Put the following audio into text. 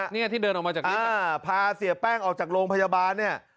นี่พอเสียแปลงออกจากโรงพยาบาล